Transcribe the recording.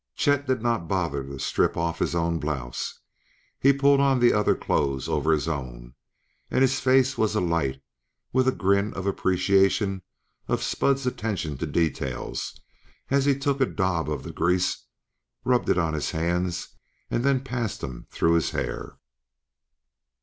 Chet did not bother to strip off his own blouse; he pulled on the other clothes over his own, and his face was alight with a grin of appreciation of Spud's attention to details as he took a daub of the grease, rubbed it on his hands, then passed them through his hair.